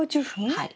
はい。